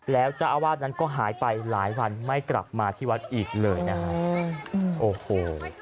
และจ้าวาสนั้นก็หายไปหลายวันไม่กลับมาที่วัดอีกเลยนะครับ